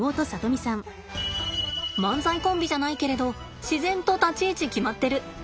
漫才コンビじゃないけれど自然と立ち位置決まってる。